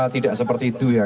tidak seperti itu